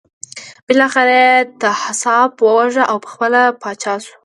بالاخره یې طاهاسپ وواژه او پخپله پاچا شو.